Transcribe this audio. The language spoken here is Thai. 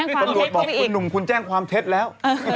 ปลบอกคุณหนุ่มคุณแจ้งความเทศแล้ว